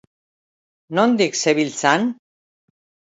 Nondik zebiltzan?